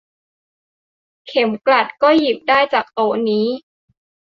เข็มกลัดก็หยิบได้จากโต๊ะนี้